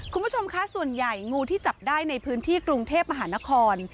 คุณผู้ชมคะส่วนใหญ่งูที่จับได้ในพื้นที่กรุงเทพมหานคร